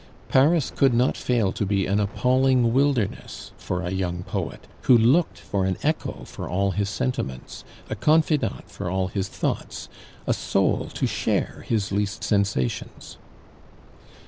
Paris could not fail to be an appalling wilderness for a young poet, who looked for an echo for all his sentiments, a confidant for all his thoughts, a soul to share his least sensations.